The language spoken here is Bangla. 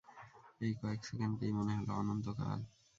এই কয়েক সেকেন্ডকেই মনে হল অনন্তকাল।